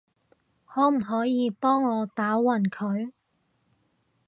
可唔可以幫我打暈佢？